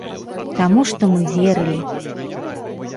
Таму што мы верылі!